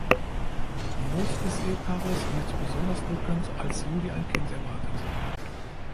Die Not des Ehepaares wird besonders drückend, als Julie ein Kind erwartet.